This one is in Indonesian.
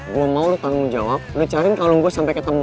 gue mau lo tanggung jawab lo cari kalung gue sampe ketemu